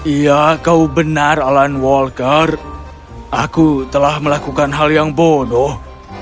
iya kau benar alan walker aku telah melakukan hal yang bodoh